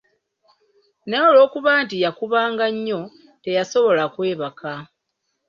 Naye olw'okuba nti yakubanga nnyo, teyasobola kwebaka.